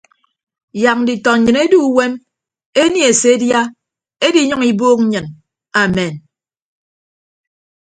Yak nditọ nnyịn edu uwem enie se edia ediiyʌñ ibuuk nnyịn amen.